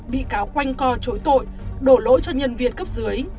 bị cáo quanh co chối tội đổ lỗi cho nhân viên cấp dưới